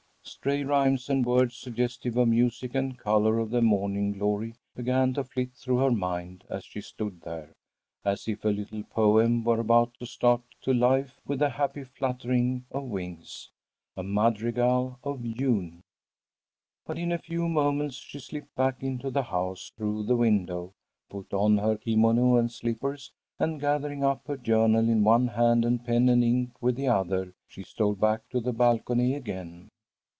Stray rhymes and words suggestive of music and color and the morning's glory began to flit through her mind as she stood there, as if a little poem were about to start to life with a happy fluttering of wings; a madrigal of June. But in a few moments she slipped back into the house through the window, put on her kimono and slippers, and gathering up her journal in one hand and pen and ink with the other, she stole back to the balcony again.